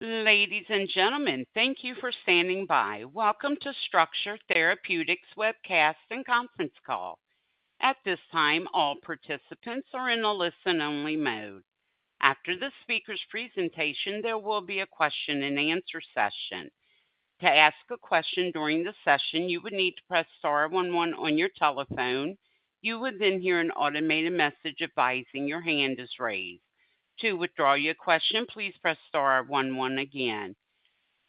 Ladies and gentlemen, thank you for standing by. Welcome to Structure Therapeutics webcast and conference call. At this time, all participants are in a listen-only mode. After the speaker's presentation, there will be a question-and-answer session. To ask a question during the session, you would need to press star one one on your telephone. You would then hear an automated message advising your hand is raised. To withdraw your question, please press star one one again.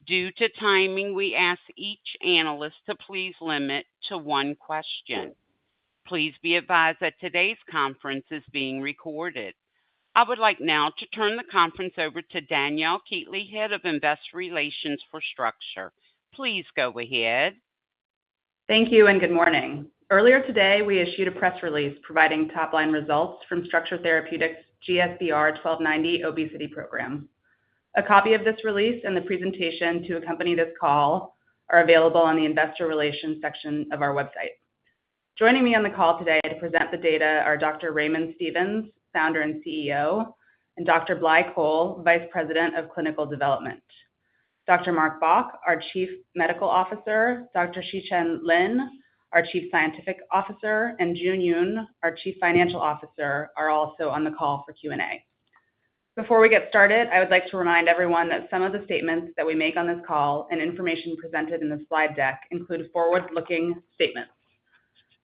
Due to timing, we ask each analyst to please limit to one question. Please be advised that today's conference is being recorded. I would like now to turn the conference over to Danielle Keatley, Head of Investor Relations for Structure. Please go ahead. Thank you and good morning. Earlier today, we issued a press release providing top-line results from Structure Therapeutics GSBR-1290 obesity program. A copy of this release and the presentation to accompany this call are available on the investor relations section of our website. Joining me on the call today to present the data are Dr. Raymond Stevens, Founder and CEO, and Dr. Blai Coll, Vice President of Clinical Development. Dr. Mark Bach, our Chief Medical Officer, Dr. Xichen Lin, our Chief Scientific Officer, and Jun Yoon, our Chief Financial Officer, are also on the call for Q&A. Before we get started, I would like to remind everyone that some of the statements that we make on this call and information presented in the slide deck include forward-looking statements.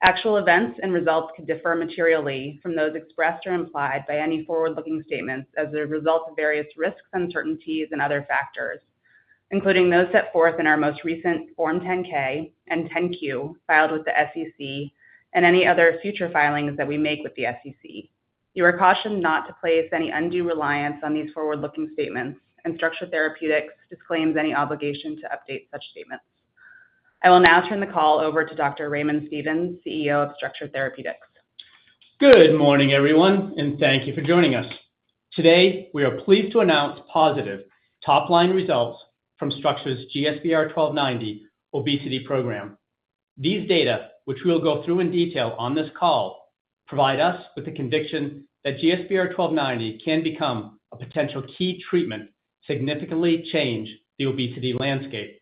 Actual events and results could differ materially from those expressed or implied by any forward-looking statements as a result of various risks, uncertainties, and other factors, including those set forth in our most recent Form 10-K and 10-Q filed with the SEC and any other future filings that we make with the SEC. You are cautioned not to place any undue reliance on these forward-looking statements, and Structure Therapeutics disclaims any obligation to update such statements. I will now turn the call over to Dr. Raymond Stevens, CEO of Structure Therapeutics Good morning, everyone, and thank you for joining us. Today, we are pleased to announce positive top-line results from Structure's GSBR-1290 obesity program. These data, which we will go through in detail on this call, provide us with the conviction that GSBR-1290 can become a potential key treatment to significantly change the obesity landscape.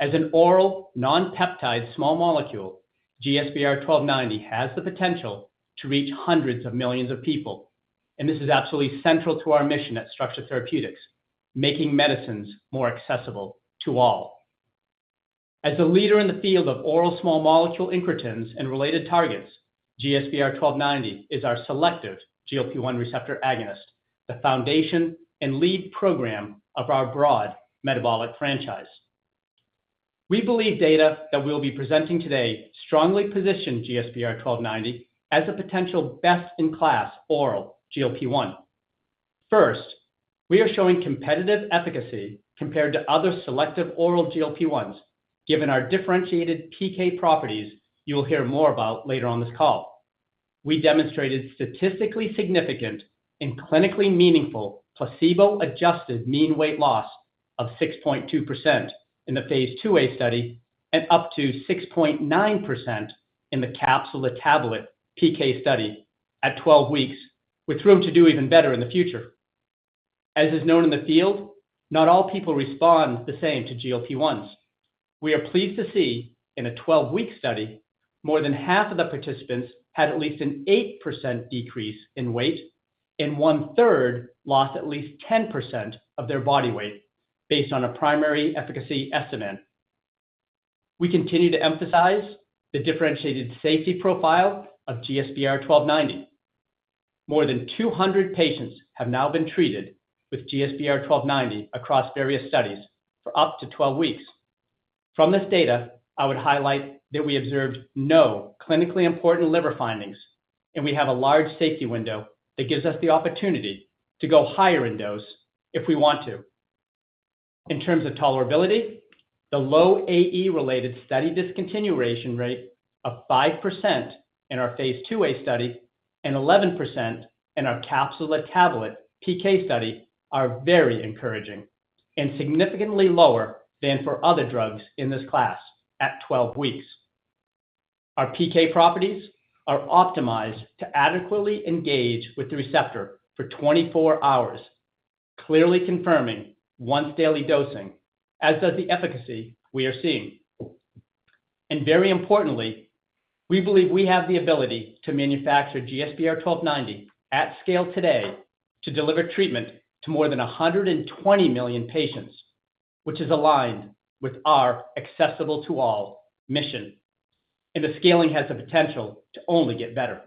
As an oral non-peptide small molecule, GSBR-1290 has the potential to reach hundreds of millions of people, and this is absolutely central to our mission at Structure Therapeutics, making medicines more accessible to all. As a leader in the field of oral small molecule incretins and related targets, GSBR-1290 is our selective GLP-1 receptor agonist, the foundation and lead program of our broad metabolic franchise. We believe data that we'll be presenting today strongly position GSBR-1290 as a potential best-in-class oral GLP-1. First, we are showing competitive efficacy compared to other selective oral GLP-1s, given our differentiated PK properties you will hear more about later on this call. We demonstrated statistically significant and clinically meaningful placebo-adjusted mean weight loss of 6.2% in the phase II-A study and up to 6.9% in the capsule-to-tablet PK study at 12 weeks, with room to do even better in the future. As is known in the field, not all people respond the same to GLP-1s. We are pleased to see, in a 12-week study, more than half of the participants had at least an 8% decrease in weight and one-third lost at least 10% of their body weight based on a primary efficacy estimate. We continue to emphasize the differentiated safety profile of GSBR-1290. More than 200 patients have now been treated with GSBR-1290 across various studies for up to 12 weeks. From this data, I would highlight that we observed no clinically important liver findings, and we have a large safety window that gives us the opportunity to go higher in dose if we want to. In terms of tolerability, the low AE-related study discontinuation rate of 5% in our phase II-A study and 11% in our capsule-to-tablet PK study are very encouraging and significantly lower than for other drugs in this class at 12 weeks. Our PK properties are optimized to adequately engage with the receptor for 24 hours, clearly confirming once-daily dosing, as does the efficacy we are seeing. And very importantly, we believe we have the ability to manufacture GSBR-1290 at scale today to deliver treatment to more than 120 million patients, which is aligned with our accessible to all mission, and the scaling has the potential to only get better.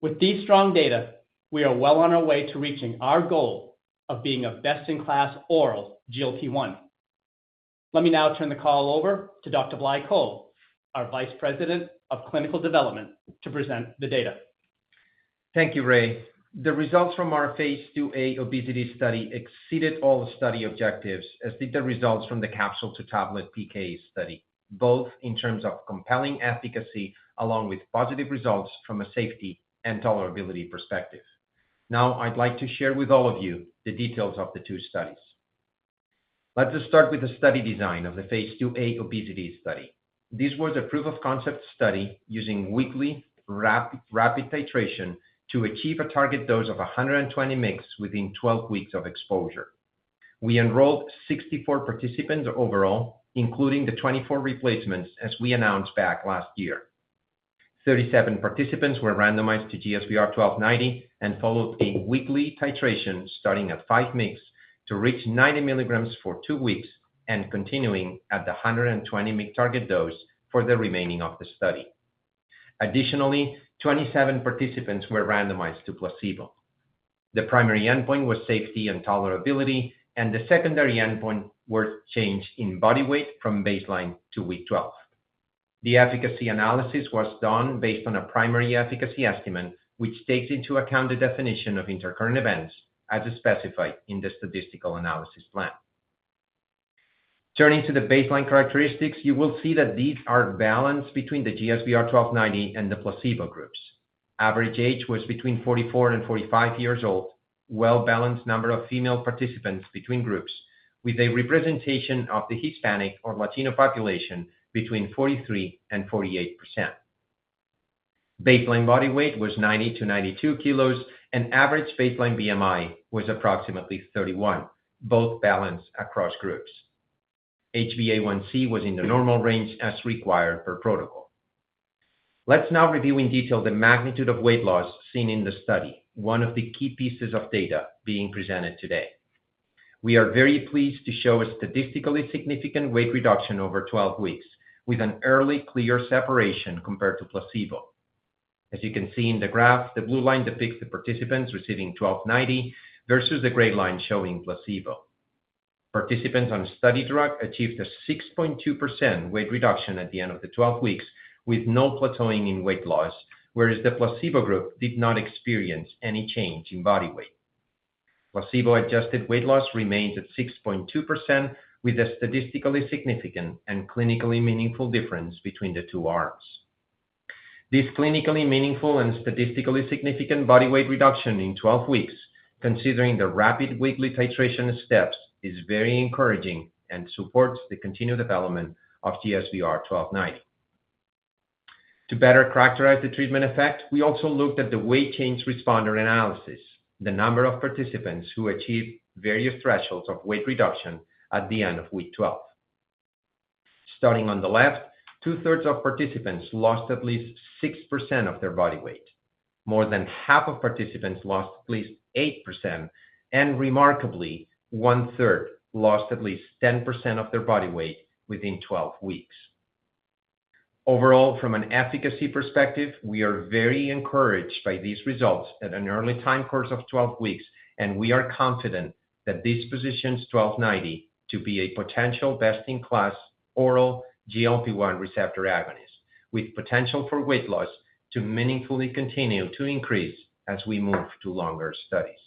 With these strong data, we are well on our way to reaching our goal of being a best-in-class oral GLP-1. Let me now turn the call over to Dr. Blai Coll, our Vice President of Clinical Development, to present the data. Thank you, Ray. The results from our phase II-A obesity study exceeded all the study objectives, as did the results from the capsule-to-tablet PK study, both in terms of compelling efficacy along with positive results from a safety and tolerability perspective. Now, I'd like to share with all of you the details of the two studies. Let's just start with the study design of the phase II-A obesity study. This was a proof of concept study using weekly rapid titration to achieve a target dose of 120 mg within 12 weeks of exposure. We enrolled 64 participants overall, including the 24 replacements, as we announced back last year. 37 participants were randomized to GSBR-1290 and followed a weekly titration, starting at 5 mg to reach 90 mg for two weeks and continuing at the 120 mg target dose for the remaining of the study. Additionally, 27 participants were randomized to placebo. The primary endpoint was safety and tolerability, and the secondary endpoint were change in body weight from baseline to week 12. The efficacy analysis was done based on a primary efficacy estimate, which takes into account the definition of intercurrent events as specified in the statistical analysis plan. Turning to the baseline characteristics, you will see that these are balanced between the GSBR-1290 and the placebo groups. Average age was between 44 and 45 years old, well-balanced number of female participants between groups, with a representation of the Hispanic or Latino population between 43% and 48%. Baseline body weight was 90-92 kilos, and average baseline BMI was approximately 31, both balanced across groups. HbA1c was in the normal range as required per protocol. Let's now review in detail the magnitude of weight loss seen in the study, one of the key pieces of data being presented today. We are very pleased to show a statistically significant weight reduction over 12 weeks, with an early clear separation compared to placebo. As you can see in the graph, the blue line depicts the participants receiving GSBR-1290 versus the gray line showing placebo. Participants on study drug achieved a 6.2% weight reduction at the end of the 12 weeks, with no plateauing in weight loss, whereas the placebo group did not experience any change in body weight. Placebo-adjusted weight loss remains at 6.2%, with a statistically significant and clinically meaningful difference between the two arms. This clinically meaningful and statistically significant body weight reduction in 12 weeks, considering the rapid weekly titration steps, is very encouraging and supports the continued development of GSBR-1290. To better characterize the treatment effect, we also looked at the weight change responder analysis, the number of participants who achieved various thresholds of weight reduction at the end of week 12. Starting on the left, two-thirds of participants lost at least 6% of their body weight. More than half of participants lost at least 8%, and remarkably, one-third lost at least 10% of their body weight within 12 weeks. Overall, from an efficacy perspective, we are very encouraged by these results at an early time course of 12 weeks, and we are confident that this positions GSBR-1290 to be a potential best-in-class oral GLP-1 receptor agonist, with potential for weight loss to meaningfully continue to increase as we move to longer studies.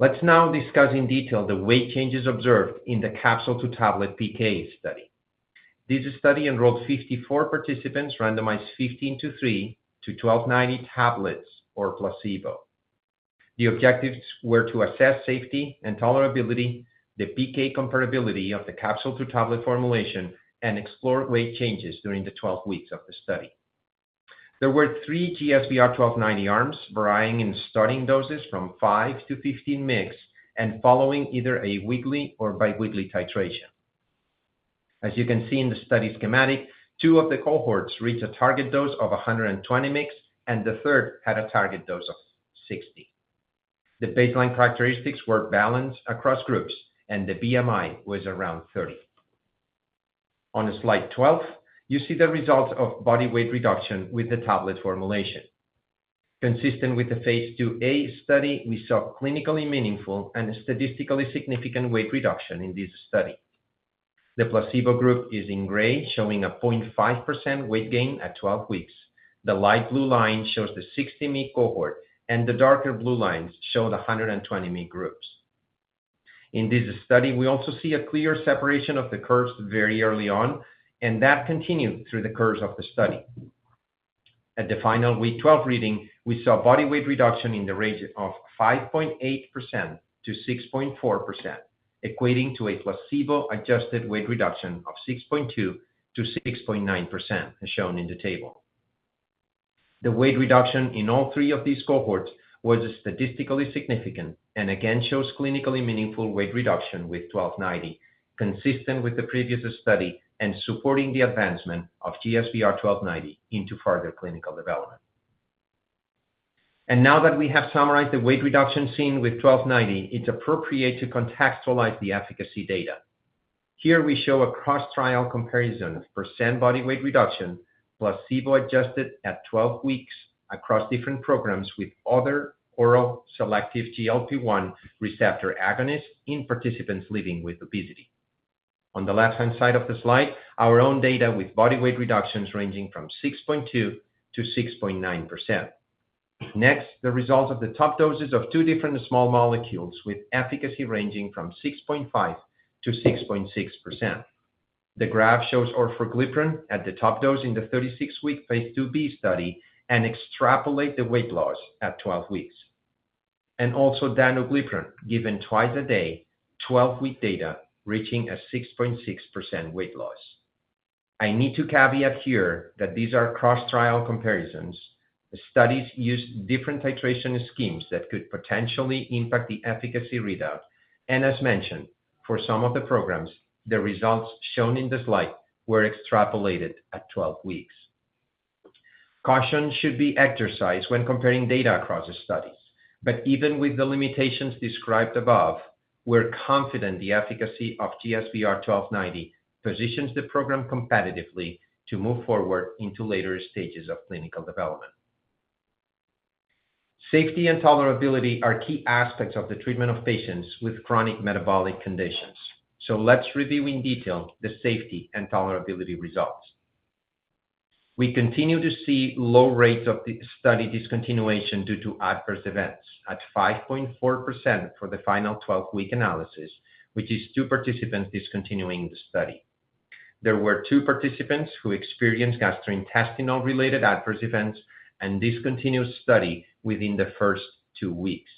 Let's now discuss in detail the weight changes observed in the capsule-to-tablet PK study. This study enrolled 54 participants, randomized 15 to 3 to GSBR-1290 tablets or placebo. The objectives were to assess safety and tolerability, the PK comparability of the capsule-to-tablet formulation, and explore weight changes during the 12 weeks of the study. There were three GSBR-1290 arms, varying in starting doses from 5mg-15 mgs and following either a weekly or biweekly titration. As you can see in the study schematic, two of the cohorts reached a target dose of 120 mg, and the third had a target dose of 60. The baseline characteristics were balanced across groups, and the BMI was around 30. On slide 12, you see the results of body weight reduction with the tablet formulation. Consistent with the phase II-A study, we saw clinically meaningful and statistically significant weight reduction in this study. The placebo group is in gray, showing a 0.5% weight gain at 12 weeks. The light blue line shows the 60 mg cohort, and the darker blue lines show the 120 mg groups. In this study, we also see a clear separation of the curves very early on, and that continued through the course of the study. At the final week 12 reading, we saw body weight reduction in the range of 5.8%-6.4%, equating to a placebo-adjusted weight reduction of 6.2%-6.9%, as shown in the table. The weight reduction in all three of these cohorts was statistically significant and again, shows clinically meaningful weight reduction with GSBR-1290, consistent with the previous study and supporting the advancement of GSBR-1290 into further clinical development. Now that we have summarized the weight reduction seen with GSBR-1290, it's appropriate to contextualize the efficacy data. Here we show a cross-trial comparison of percent body weight reduction, placebo-adjusted at 12 weeks across different programs with other oral selective GLP-1 receptor agonists in participants living with obesity. On the left-hand side of the slide, our own data with body weight reductions ranging from 6.2%-6.9%. Next, the results of the top doses of two different small molecules with efficacy ranging from 6.5%-6.6%. The graph shows orforglipron at the top dose in the 36-week phase II-B study and extrapolate the weight loss at 12 weeks. And also danuglipron, given twice a day, 12-week data reaching a 6.6% weight loss. I need to caveat here that these are cross-trial comparisons. The studies use different titration schemes that could potentially impact the efficacy readout, and as mentioned, for some of the programs, the results shown in the slide were extrapolated at 12 weeks. Caution should be exercised when comparing data across the studies, but even with the limitations described above, we're confident the efficacy of GSBR-1290 positions the program competitively to move forward into later stages of clinical development. Safety and tolerability are key aspects of the treatment of patients with chronic metabolic conditions. Let's review in detail the safety and tolerability results. We continue to see low rates of the study discontinuation due to adverse events at 5.4% for the final 12-week analysis, which is two participants discontinuing the study. There were two participants who experienced gastrointestinal-related adverse events and discontinued study within the first two weeks.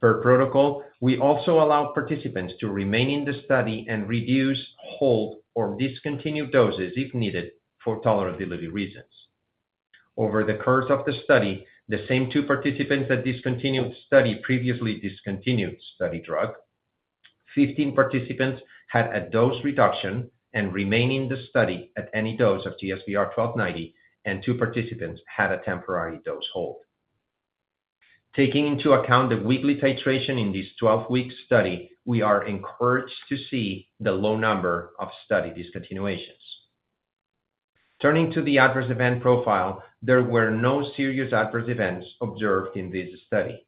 Per protocol, we also allow participants to remain in the study and reduce, hold, or discontinue doses if needed for tolerability reasons. Over the course of the study, the same two participants that discontinued study previously discontinued study drug. 15 participants had a dose reduction and remain in the study at any dose of GSBR-1290, and two participants had a temporary dose hold. Taking into account the weekly titration in this 12-week study, we are encouraged to see the low number of study discontinuations. Turning to the adverse event profile, there were no serious adverse events observed in this study.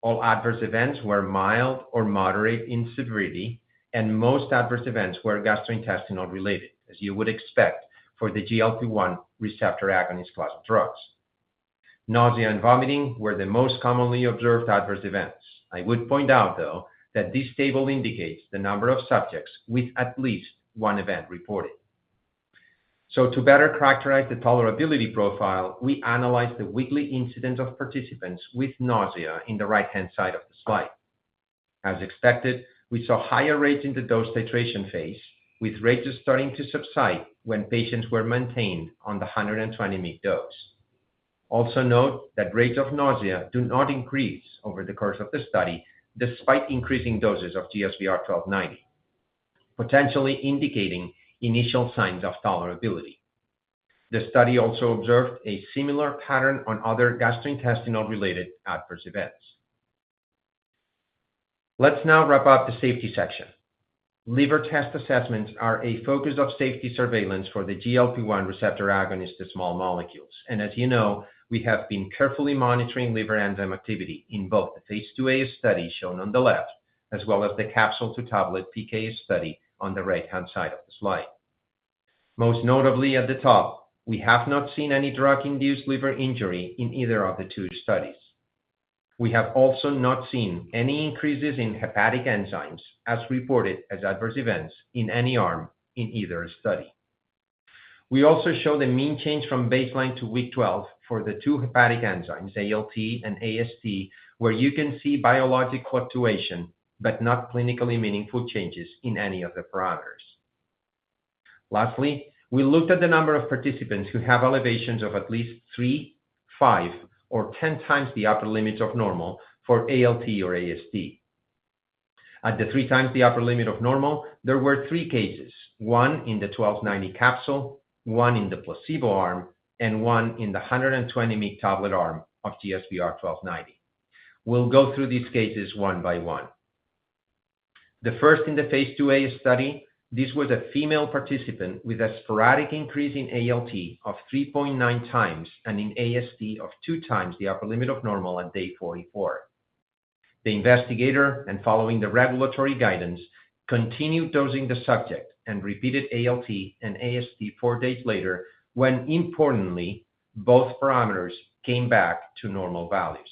All adverse events were mild or moderate in severity, and most adverse events were gastrointestinal related, as you would expect for the GLP-1 receptor agonist class of drugs. Nausea and vomiting were the most commonly observed adverse events. I would point out, though, that this table indicates the number of subjects with at least one event reported. So to better characterize the tolerability profile, we analyzed the weekly incidence of participants with nausea in the right-hand side of the slide. As expected, we saw higher rates in the dose titration phase, with rates starting to subside when patients were maintained on the 120 mg dose. Also note that rates of nausea do not increase over the course of the study, despite increasing doses of GSBR-1290, potentially indicating initial signs of tolerability. The study also observed a similar pattern on other gastrointestinal-related adverse events. Let's now wrap up the safety section. Liver test assessments are a focus of safety surveillance for the GLP-1 receptor agonist to small molecules, and as you know, we have been carefully monitoring liver enzyme activity in both the phase II-A study shown on the left, as well as the capsule-to-tablet PK study on the right-hand side of the slide. Most notably at the top, we have not seen any drug-induced liver injury in either of the two studies. We have also not seen any increases in hepatic enzymes, as reported as adverse events in any arm in either study. We also show the mean change from baseline to week 12 for the two hepatic enzymes, ALT and AST, where you can see biologic fluctuation, but not clinically meaningful changes in any of the parameters. Lastly, we looked at the number of participants who have elevations of at least 3, 5, or 10 times the upper limits of normal for ALT or AST. At the 3 times the upper limit of normal, there were three cases, one in the GSBR-1290 capsule, one in the placebo arm, and one in the 120 mg tablet arm of GSBR-1290. We'll go through these cases one by one. The first in the phase II-A study, this was a female participant with a sporadic increase in ALT of 3.9 times and in AST of 2 times the upper limit of normal at day 44. The investigator, and following the regulatory guidance, continued dosing the subject and repeated ALT and AST four days later, when importantly, both parameters came back to normal values.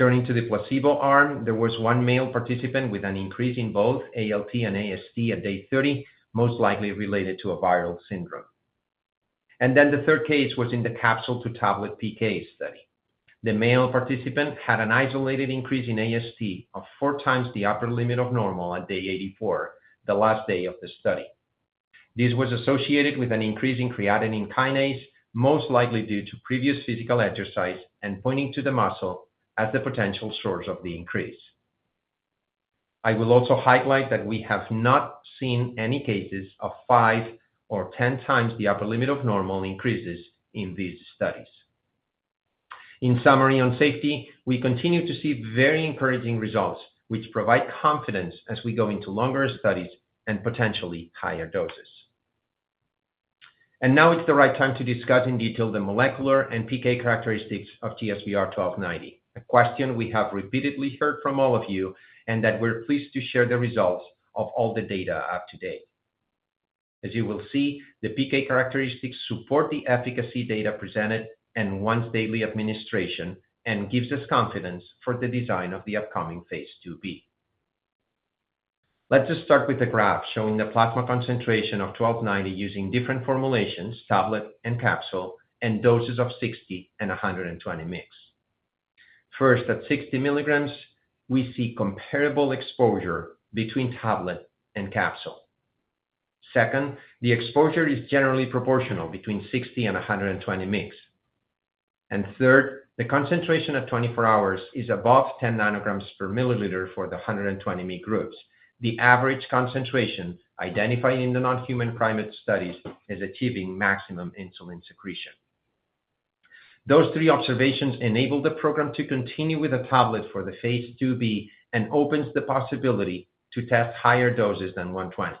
Turning to the placebo arm, there was one male participant with an increase in both ALT and AST at day 30, most likely related to a viral syndrome. Then the third case was in the capsule to tablet PK study. The male participant had an isolated increase in AST of 4 times the upper limit of normal on day 84, the last day of the study. This was associated with an increase in creatine kinase, most likely due to previous physical exercise and pointing to the muscle as the potential source of the increase. I will also highlight that we have not seen any cases of 5 or 10 times the upper limit of normal increases in these studies. In summary, on safety, we continue to see very encouraging results, which provide confidence as we go into longer studies and potentially higher doses. Now it's the right time to discuss in detail the molecular and PK characteristics of GSBR-1290, a question we have repeatedly heard from all of you, and that we're pleased to share the results of all the data up to date. As you will see, the PK characteristics support the efficacy data presented and once-daily administration, and gives us confidence for the design of the upcoming phase II-B. Let's just start with a graph showing the plasma concentration of GSBR-1290 using different formulations, tablet and capsule, and doses of 60 mg and 120 mg. First, at 60 mg, we see comparable exposure between tablet and capsule. Second, the exposure is generally proportional between 60 mg and 120 mg. Third, the concentration at 24 hours is above 10 ng/mL for the 120 mg groups. The average concentration identified in the non-human primate studies is achieving maximum insulin secretion. Those three observations enable the program to continue with the tablet for the phase II-B and opens the possibility to test higher doses than 120 mg.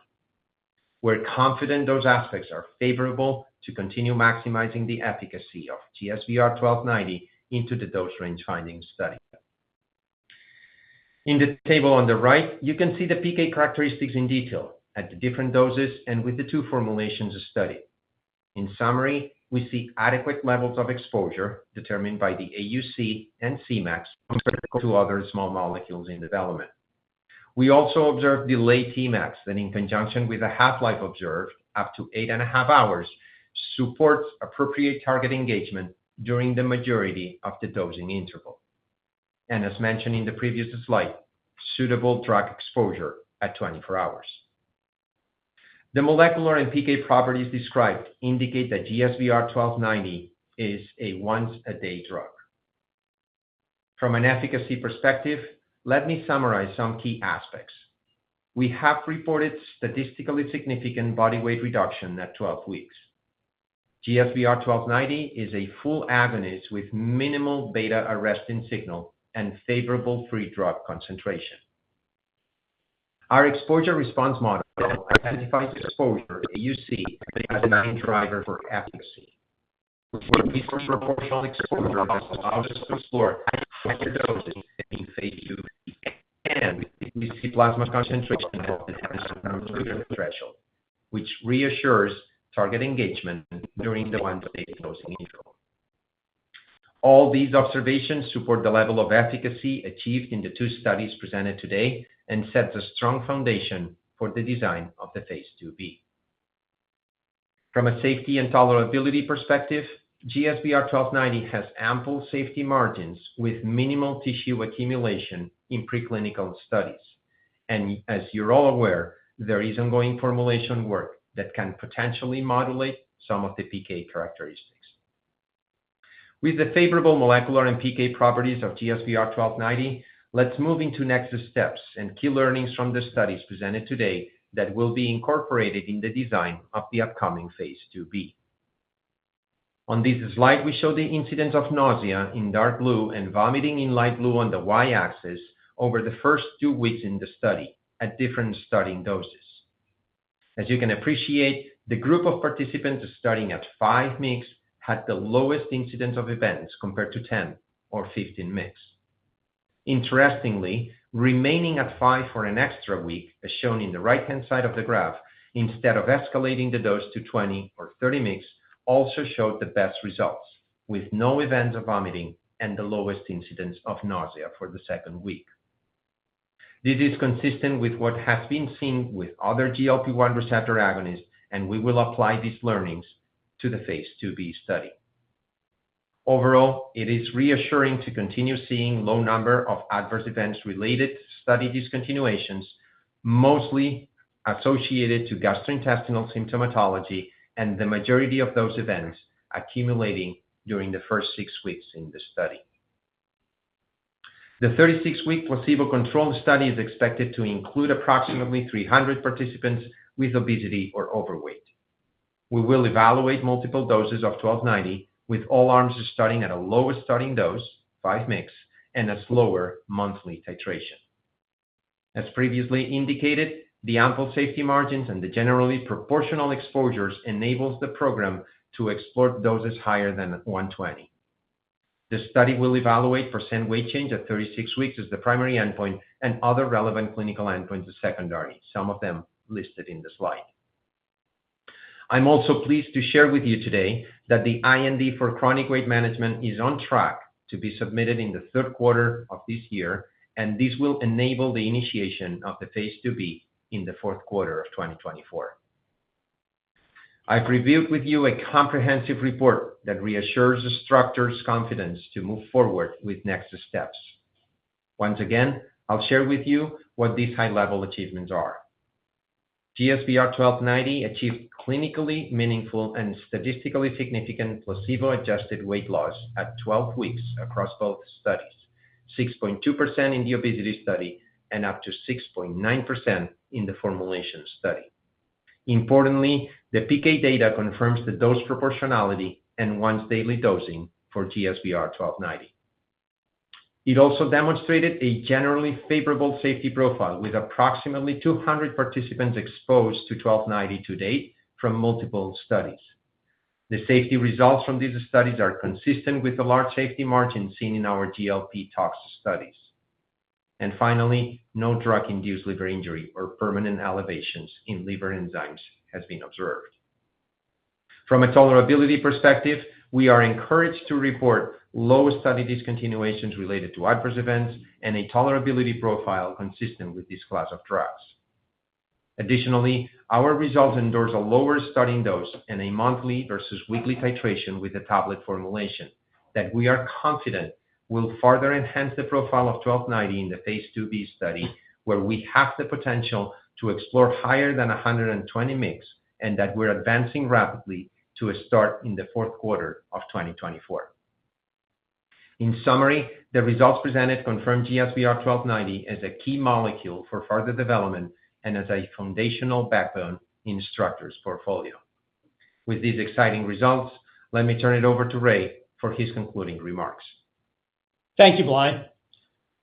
We're confident those aspects are favorable to continue maximizing the efficacy of GSBR-1290 into the dose range finding study. In the table on the right, you can see the PK characteristics in detail at the different doses and with the two formulations studied. In summary, we see adequate levels of exposure determined by the AUC and Cmax comparable to other small molecules in development. We also observed delayed Tmax, then in conjunction with a half-life observed, up to 8.5 hours, supports appropriate target engagement during the majority of the dosing interval. As mentioned in the previous slide, suitable drug exposure at 24 hours. The molecular and PK properties described indicate that GSBR-1290 is a once-a-day drug. From an efficacy perspective, let me summarize some key aspects. We have reported statistically significant body weight reduction at 12 weeks. GSBR-1290 is a full agonist with minimal beta-arrestin signal and favorable free drug concentration. Our exposure response model identifies exposure, AUC, as the main driver for efficacy. We see proportional exposure across the doses explored at higher doses in phase II-B, and we see plasma concentration at the nanogram threshold, which reassures target engagement during the once-a-day dosing interval. All these observations support the level of efficacy achieved in the two studies presented today and sets a strong foundation for the design of the phase II-B. From a safety and tolerability perspective, GSBR-1290 has ample safety margins with minimal tissue accumulation in preclinical studies. As you're all aware, there is ongoing formulation work that can potentially modulate some of the PK characteristics. With the favorable molecular and PK properties of GSBR-1290, let's move into next steps and key learnings from the studies presented today that will be incorporated in the design of the upcoming phase II-B. On this slide, we show the incidence of nausea in dark blue and vomiting in light blue on the Y-axis over the first two weeks in the study at different starting doses. As you can appreciate, the group of participants starting at 5 mg had the lowest incidence of events compared to 10 mg or 15 mg. Interestingly, remaining at 5 mg for an extra week, as shown in the right-hand side of the graph, instead of escalating the dose to 20 mg or 30 mg, also showed the best results, with no events of vomiting and the lowest incidence of nausea for the second week. This is consistent with what has been seen with other GLP-1 receptor agonists, and we will apply these learnings to the phase II-B study. Overall, it is reassuring to continue seeing low number of adverse events related to study discontinuations, mostly associated to gastrointestinal symptomatology and the majority of those events accumulating during the first 6 weeks in the study. The 36-week placebo-controlled study is expected to include approximately 300 participants with obesity or overweight. We will evaluate multiple doses of GSBR-1290, with all arms starting at a lower starting dose, 5 mg, and a slower monthly titration. As previously indicated, the ample safety margins and the generally proportional exposures enables the program to explore doses higher than 120. The study will evaluate percent weight change at 36 weeks as the primary endpoint and other relevant clinical endpoints as secondary, some of them listed in the slide. I'm also pleased to share with you today that the IND for chronic weight management is on track to be submitted in the third quarter of this year, and this will enable the initiation of the phase II-B in the fourth quarter of 2024. I've reviewed with you a comprehensive report that reassures Structure's confidence to move forward with next steps. Once again, I'll share with you what these high-level achievements are. GSBR-1290 achieved clinically meaningful and statistically significant placebo-adjusted weight loss at 12 weeks across both studies, 6.2% in the obesity study and up to 6.9% in the formulation study. Importantly, the PK data confirms the dose proportionality and once-daily dosing for GSBR-1290. It also demonstrated a generally favorable safety profile, with approximately 200 participants exposed to GSBR-1290 to date from multiple studies. The safety results from these studies are consistent with the large safety margin seen in our GLP tox studies. Finally, no drug-induced liver injury or permanent elevations in liver enzymes has been observed. From a tolerability perspective, we are encouraged to report low study discontinuations related to adverse events and a tolerability profile consistent with this class of drugs. Additionally, our results endorse a lower starting dose and a monthly versus weekly titration with a tablet formulation that we are confident will further enhance the profile of GSBR-1290 in the phase II-B study, where we have the potential to explore higher than 120 mg, and that we're advancing rapidly to a start in the fourth quarter of 2024. In summary, the results presented confirm GSBR-1290 as a key molecule for further development and as a foundational backbone in Structure's portfolio. With these exciting results, let me turn it over to Ray for his concluding remarks. Thank you, Blai.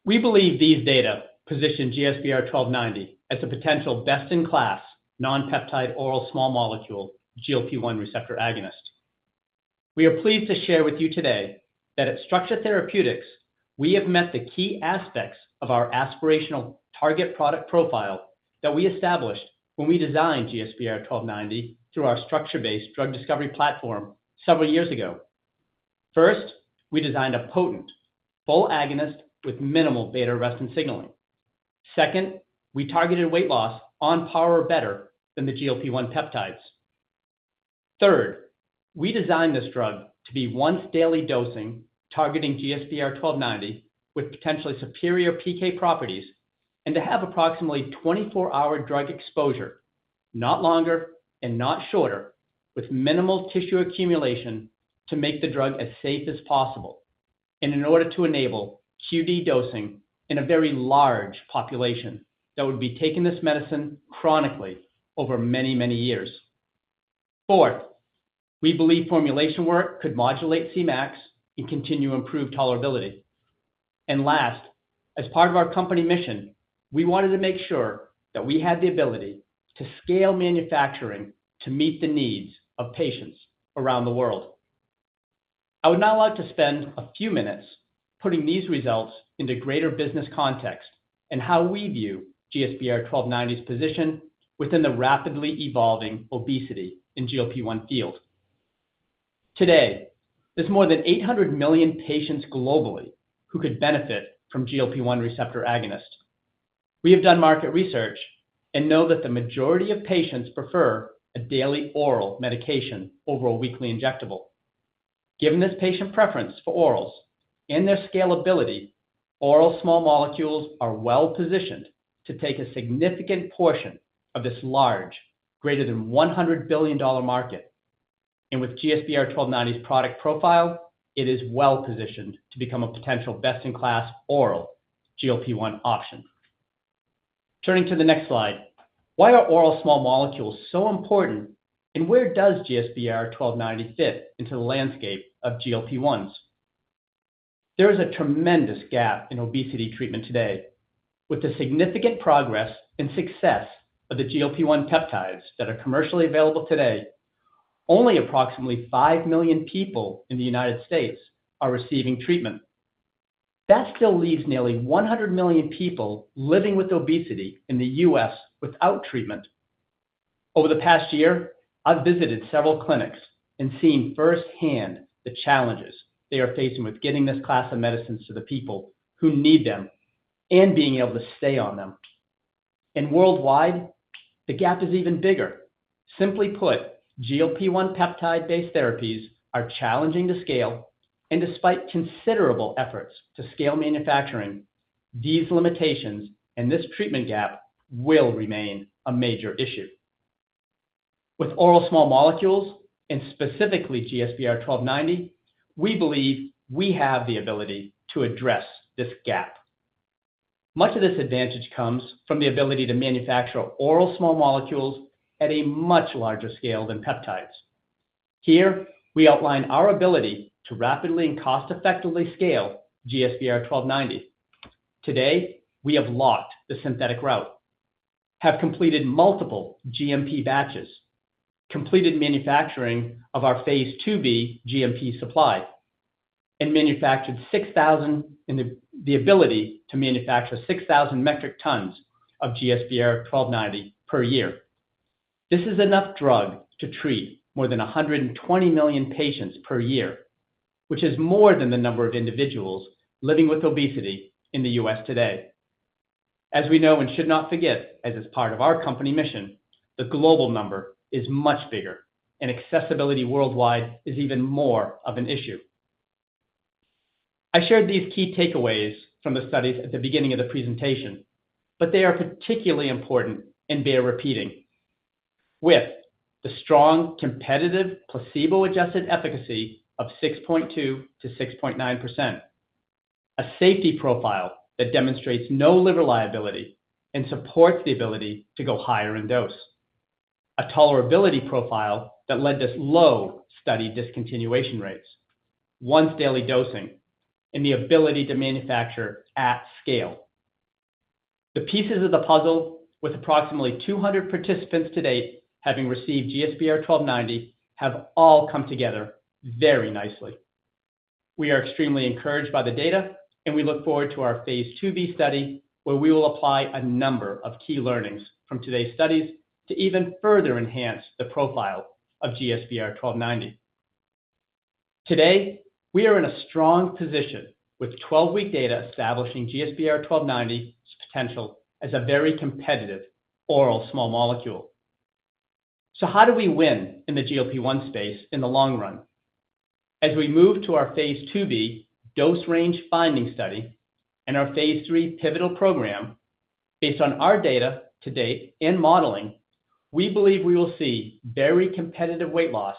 We believe these data position GSBR-1290 as a potential best-in-class, non-peptide, oral small molecule, GLP-1 receptor agonist. We are pleased to share with you today that at Structure Therapeutics, we have met the key aspects of our aspirational target product profile that we established when we designed GSBR-1290 through our structure-based drug discovery platform several years ago. First, we designed a potent full agonist with minimal beta-arrestin signaling. Second, we targeted weight loss on par or better than the GLP-1 peptides. Third, we designed this drug to be once-daily dosing, targeting GSBR-1290 with potentially superior PK properties, and to have approximately 24-hour drug exposure, not longer and not shorter, with minimal tissue accumulation to make the drug as safe as possible, and in order to enable QD dosing in a very large population that would be taking this medicine chronically over many, many years. Fourth, we believe formulation work could modulate Cmax and continue improved tolerability. And last, as part of our company mission, we wanted to make sure that we had the ability to scale manufacturing to meet the needs of patients around the world. I would now like to spend a few minutes putting these results into greater business context and how we view GSBR-1290's position within the rapidly evolving obesity in GLP-1 field. Today, there's more than 800 million patients globally who could benefit from GLP-1 receptor agonist. We have done market research and know that the majority of patients prefer a daily oral medication over a weekly injectable. Given this patient preference for orals and their scalability, oral small molecules are well positioned to take a significant portion of this large, greater than $100 billion market. With GSBR-1290's product profile, it is well positioned to become a potential best-in-class oral GLP-1 option. Turning to the next slide, why are oral small molecules so important, and where does GSBR-1290 fit into the landscape of GLP-1s? There is a tremendous gap in obesity treatment today. With the significant progress and success of the GLP-1 peptides that are commercially available today, only approximately 5 million people in the United States are receiving treatment. That still leaves nearly 100 million people living with obesity in the U.S. without treatment. Over the past year, I've visited several clinics and seen firsthand the challenges they are facing with getting this class of medicines to the people who need them and being able to stay on them. Worldwide, the gap is even bigger. Simply put, GLP-1 peptide-based therapies are challenging to scale, and despite considerable efforts to scale manufacturing, these limitations and this treatment gap will remain a major issue. With oral small molecules, and specifically GSBR-1290, we believe we have the ability to address this gap. Much of this advantage comes from the ability to manufacture oral small molecules at a much larger scale than peptides. Here, we outline our ability to rapidly and cost-effectively scale GSBR-1290. Today, we have locked the synthetic route, have completed multiple GMP batches, completed manufacturing of our phase II-B GMP supply, and the ability to manufacture 6,000 metric tons of GSBR-1290 per year. This is enough drug to treat more than 120 million patients per year, which is more than the number of individuals living with obesity in the U.S. today. As we know and should not forget, as is part of our company mission, the global number is much bigger, and accessibility worldwide is even more of an issue. I shared these key takeaways from the studies at the beginning of the presentation, but they are particularly important and bear repeating. With the strong, competitive, placebo-adjusted efficacy of 6.2%-6.9%, a safety profile that demonstrates no liver liability and supports the ability to go higher in dose, a tolerability profile that led to low study discontinuation rates, once daily dosing, and the ability to manufacture at scale. The pieces of the puzzle, with approximately 200 participants to date, having received GSBR-1290, have all come together very nicely. We are extremely encouraged by the data, and we look forward to our phase II-B study, where we will apply a number of key learnings from today's studies to even further enhance the profile of GSBR-1290. Today, we are in a strong position with 12-week data establishing GSBR-1290's potential as a very competitive oral small molecule. So how do we win in the GLP-1 space in the long run? As we move to our phase II-B dose range finding study and our phase III pivotal program, based on our data to date and modeling, we believe we will see very competitive weight loss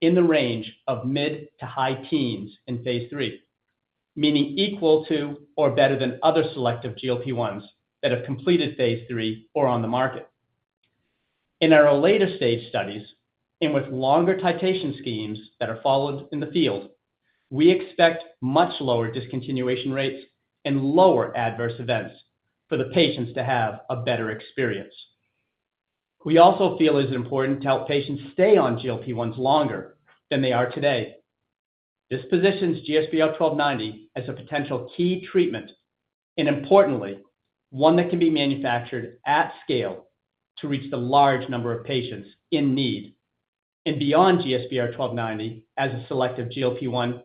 in the range of mid to high teens in phase three, meaning equal to or better than other selective GLP-1s that have completed phase III or on the market. In our later stage studies, and with longer titration schemes that are followed in the field, we expect much lower discontinuation rates and lower adverse events for the patients to have a better experience. We also feel it is important to help patients stay on GLP-1s longer than they are today. This positions GSBR-1290 as a potential key treatment and importantly, one that can be manufactured at scale to reach the large number of patients in need. Beyond GSBR-1290 as a selective GLP-1,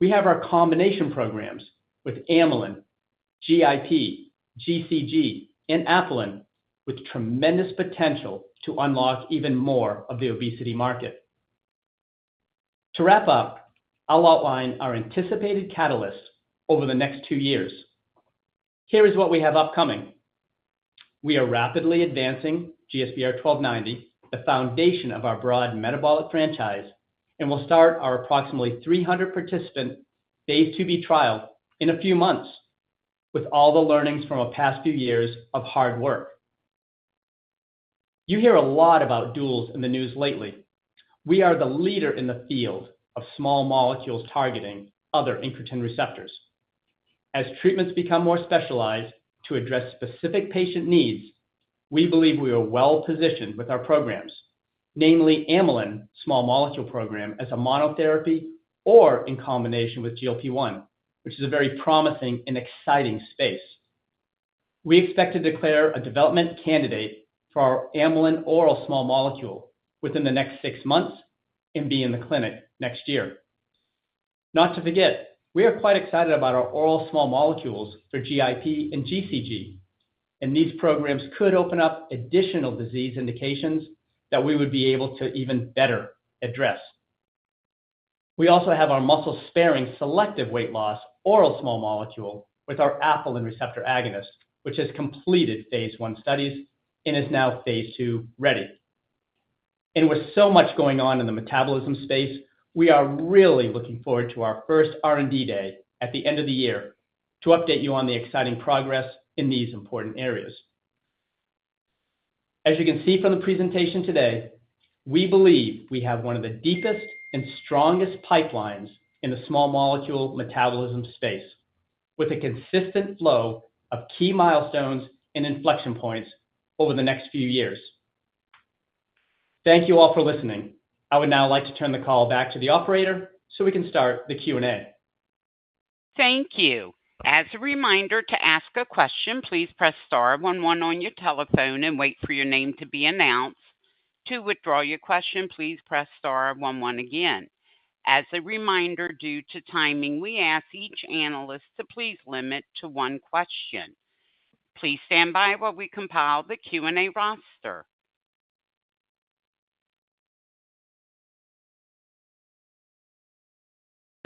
we have our combination programs with amylin, GIP, GCG, and Apelin, with tremendous potential to unlock even more of the obesity market. To wrap up, I'll outline our anticipated catalysts over the next two years. Here is what we have upcoming. We are rapidly advancing GSBR-1290, the foundation of our broad metabolic franchise, and will start our approximately 300-participant phase II-B trial in a few months, with all the learnings from our past few years of hard work. You hear a lot about duals in the news lately. We are the leader in the field of small molecules targeting other incretin receptors. As treatments become more specialized to address specific patient needs, we believe we are well positioned with our programs, namely amylin small molecule program as a monotherapy or in combination with GLP-1, which is a very promising and exciting space. We expect to declare a development candidate for our amylin oral small molecule within the next 6 months and be in the clinic next year. Not to forget, we are quite excited about our oral small molecules for GIP and GCG, and these programs could open up additional disease indications that we would be able to even better address. We also have our muscle-sparing, selective weight loss oral small molecule with our Apelin receptor agonist, which has completed phase I studies and is now phase II-ready. With so much going on in the metabolism space, we are really looking forward to our first R&D day at the end of the year to update you on the exciting progress in these important areas. As you can see from the presentation today, we believe we have one of the deepest and strongest pipelines in the small molecule metabolism space, with a consistent flow of key milestones and inflection points over the next few years. Thank you all for listening. I would now like to turn the call back to the operator so we can start the Q&A. Thank you. As a reminder, to ask a question, please press star one one on your telephone and wait for your name to be announced. To withdraw your question, please press star one one again. As a reminder, due to timing, we ask each analyst to please limit to one question. Please stand by while we compile the Q&A roster.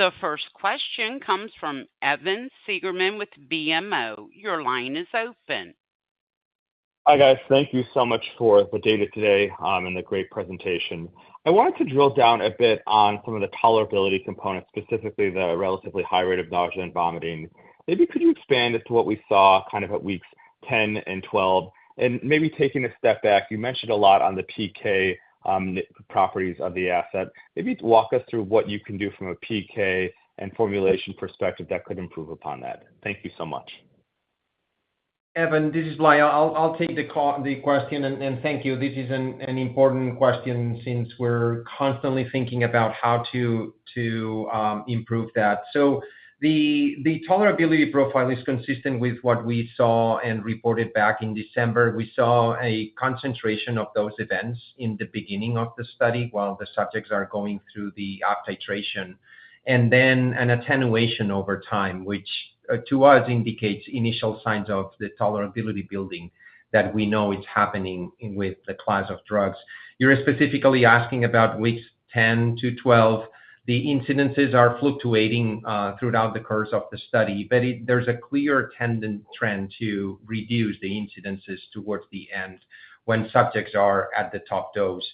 The first question comes from Evan Seigerman with BMO. Your line is open. Hi, guys. Thank you so much for the data today, and the great presentation. I wanted to drill down a bit on some of the tolerability components, specifically the relatively high rate of nausea and vomiting. Maybe could you expand as to what we saw kind of at weeks 10 and 12? Maybe taking a step back, you mentioned a lot on the PK properties of the asset. Maybe walk us through what you can do from a PK and formulation perspective that could improve upon that. Thank you so much. Evan, this is Blai. I'll take the question, and thank you. This is an important question since we're constantly thinking about how to improve that. So the tolerability profile is consistent with what we saw and reported back in December. We saw a concentration of those events in the beginning of the study, while the subjects are going through the up titration, and then an attenuation over time, which to us indicates initial signs of the tolerability building that we know is happening with the class of drugs. You're specifically asking about weeks 10-12. The incidences are fluctuating throughout the course of the study, but there's a clear downward trend to reduce the incidences towards the end when subjects are at the top dose.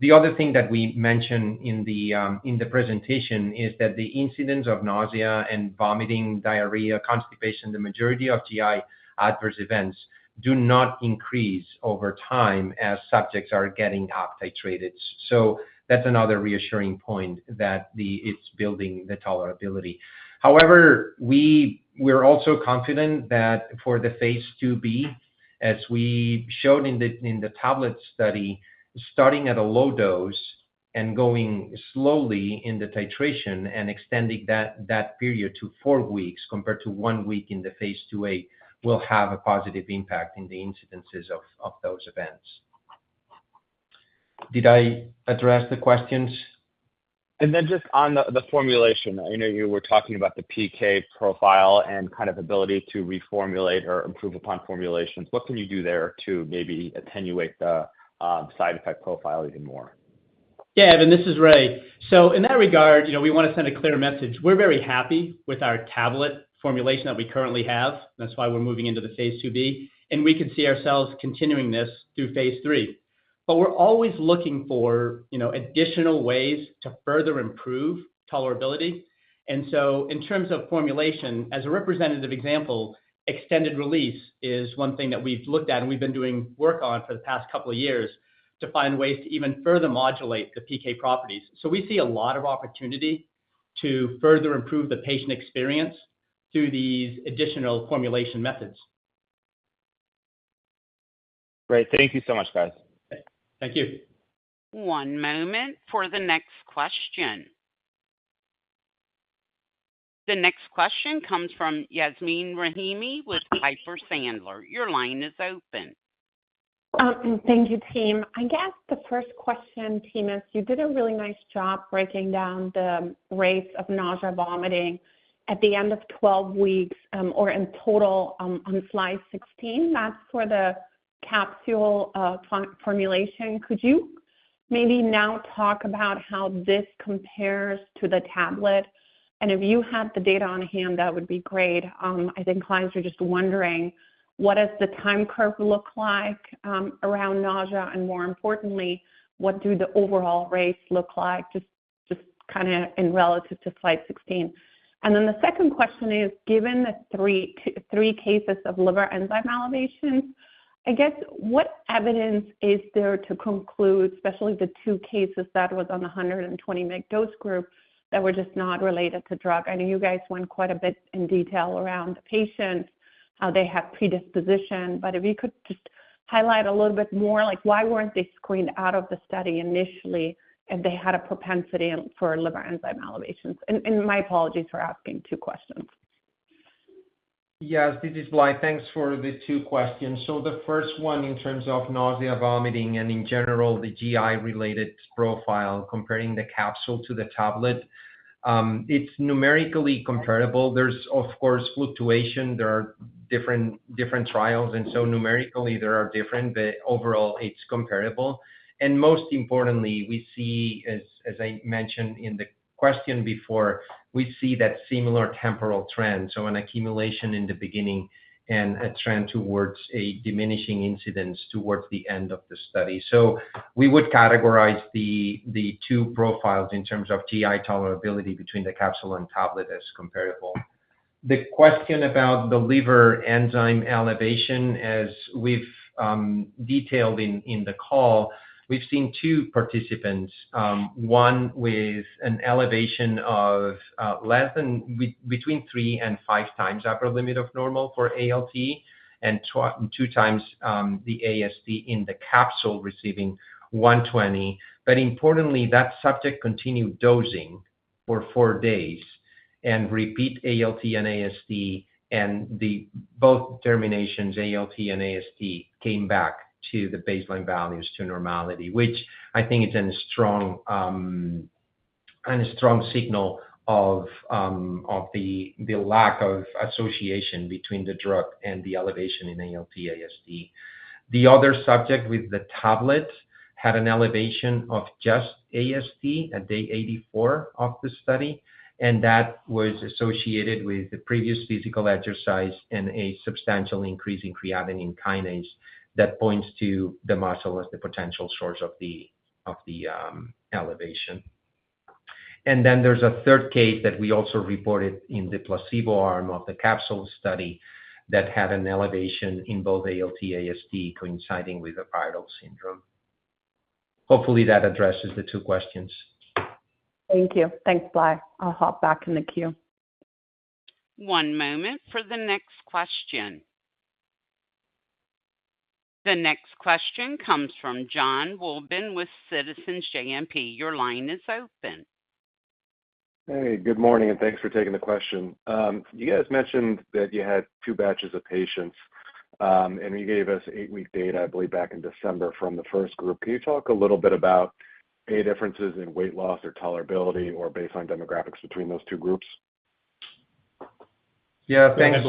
The other thing that we mentioned in the in the presentation is that the incidence of nausea and vomiting, diarrhea, constipation, the majority of GI adverse events do not increase over time as subjects are getting up titrated. So that's another reassuring point that it's building the tolerability. However, we're also confident that for the phase II-B as we showed in the tablet study, starting at a low dose and going slowly in the titration and extending that period to 4 weeks compared to 1 week in the phase II-A, will have a positive impact in the incidences of those events. Did I address the questions? And then just on the formulation, I know you were talking about the PK profile and kind of ability to reformulate or improve upon formulations. What can you do there to maybe attenuate the side effect profile even more? Yeah, Evan, this is Ray. So in that regard, you know, we want to send a clear message. We're very happy with our tablet formulation that we currently have. That's why we're moving into the phase II-B, and we can see ourselves continuing this through phase III. But we're always looking for, you know, additional ways to further improve tolerability. And so in terms of formulation, as a representative example, extended release is one thing that we've looked at and we've been doing work on for the past couple of years to find ways to even further modulate the PK properties. So we see a lot of opportunity to further improve the patient experience through these additional formulation methods. Great. Thank you so much, guys. Thank you. One moment for the next question. The next question comes from Yasmin Rahimi with Piper Sandler. Your line is open. Thank you, team. I guess the first question, team, is you did a really nice job breaking down the rates of nausea, vomiting at the end of 12 weeks, or in total, on slide 16. That's for the capsule formulation. Could you maybe now talk about how this compares to the tablet? And if you have the data on hand, that would be great. I think clients are just wondering, what does the time curve look like around nausea, and more importantly, what do the overall rates look like? Just kinda in relative to slide 16. And then the second question is, given the three cases of liver enzyme elevations, I guess, what evidence is there to conclude, especially the two cases that was on the 120 mg dose group, that were just not related to drug? I know you guys went quite a bit in detail around the patients, how they have predisposition, but if you could just highlight a little bit more, like, why weren't they screened out of the study initially, if they had a propensity for liver enzyme elevations? And my apologies for asking two questions. Yes, this is Blai. Thanks for the two questions. So the first one, in terms of nausea, vomiting, and in general, the GI-related profile, comparing the capsule to the tablet, it's numerically comparable. There's, of course, fluctuation. There are different, different trials, and so numerically, they are different, but overall, it's comparable. And most importantly, we see as, as I mentioned in the question before, we see that similar temporal trend, so an accumulation in the beginning and a trend towards a diminishing incidence towards the end of the study. So we would categorize the, the two profiles in terms of GI tolerability between the capsule and tablet as comparable. The question about the liver enzyme elevation, as we've detailed in the call, we've seen two participants, one with an elevation of between 3 and 5 times upper limit of normal for ALT, and 2 times the AST in the capsule receiving 120. But importantly, that subject continued dosing for 4 days and repeat ALT and AST, and both determinations, ALT and AST, came back to the baseline values, to normality, which I think is a strong and a strong signal of the lack of association between the drug and the elevation in ALT, AST. The other subject with the tablet had an elevation of just AST at day 84 of the study, and that was associated with the previous physical exercise and a substantial increase in creatine kinase that points to the muscle as the potential source of the elevation. And then there's a third case that we also reported in the placebo arm of the capsule study that had an elevation in both ALT, AST, coinciding with a viral syndrome. Hopefully, that addresses the two questions. Thank you. Thanks, Blai. I'll hop back in the queue. One moment for the next question. The next question comes from Jon Wolleben with Citizens JMP. Your line is open. Hey, good morning, and thanks for taking the question. You guys mentioned that you had two batches of patients, and you gave us 8-week data, I believe, back in December from the first group. Can you talk a little bit about any differences in weight loss or tolerability or baseline demographics between those two groups? Yeah, thanks.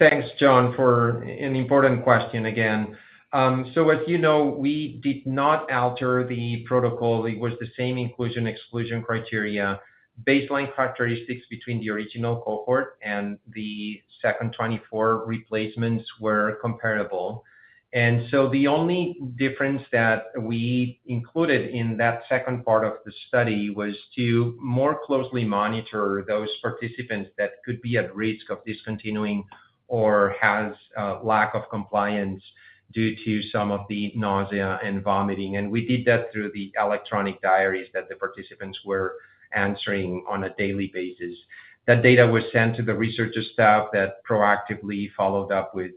Thanks, John, for an important question again. So as you know, we did not alter the protocol. It was the same inclusion, exclusion criteria. Baseline characteristics between the original cohort and the second 24 replacements were comparable. And so the only difference that we included in that second part of the study was to more closely monitor those participants that could be at risk of discontinuing or has lack of compliance due to some of the nausea and vomiting. And we did that through the electronic diaries that the participants were answering on a daily basis. That data was sent to the researcher staff that proactively followed up with